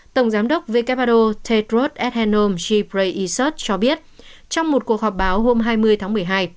tổng giám đốc vkpado tedros adhanom ghebreyesus cho biết trong một cuộc họp báo hôm hai mươi tháng một mươi hai